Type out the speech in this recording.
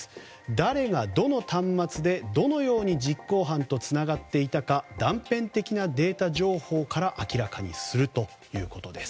誰が、どの端末で、どのように実行犯とつながっていたか断片的なデータ情報から明らかにするということです。